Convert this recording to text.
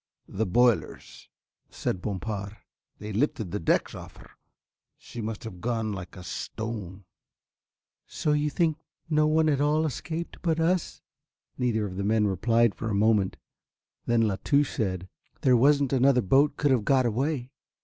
"The boilers," said Bompard, "they lifted the decks off her. She must have gone like a stone." "So you think no one at all escaped but us?" Neither of the men replied for a moment, then La Touche said: "There wasn't another boat could have got away."